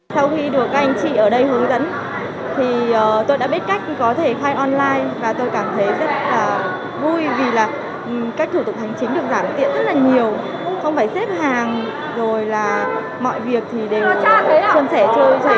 sau khi được anh chị ở đây hướng dẫn thì tôi đã biết cách có thể khai online và tôi cảm thấy rất là vui vì là các thủ tục hành chính được giảm tiện rất là nhiều không phải xếp hàng rồi là mọi việc thì đều chân sẻ chơi